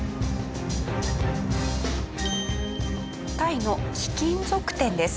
タイの貴金属店です。